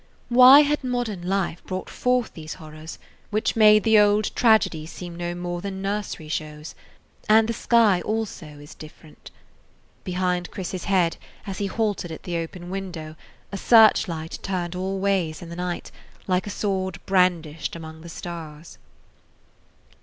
Why had modern life brought forth these horrors, which made the old tragedies seem no more than nursery shows? And the sky also is different. Behind Chris's head, as he halted at the open window, a search light turned all ways in the night, like a sword brandished among the stars.